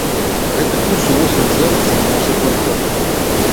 Гэты курс увосень з'явіцца на нашай платформе!